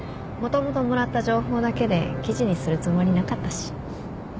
もともともらった情報だけで記事にするつもりなかったし。